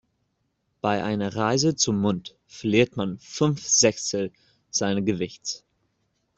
Bei einer Reise zum Mond verliert man fünf Sechstel seines Gewichts.